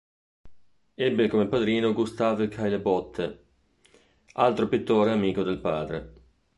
Ebbe come padrino Gustave Caillebotte, altro pittore amico del padre.